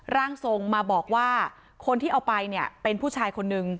ร่างทรงมาบอกว่าคนที่เอาไปเนี่ยเป็นผู้ชายคนนึง